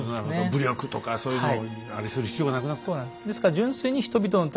武力とかそういうのをあれする必要がなくなった。